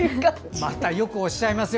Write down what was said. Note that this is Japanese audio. またよくおっしゃいますよ。